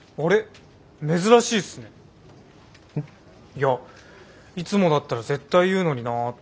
いやいつもだったら絶対言うのになって。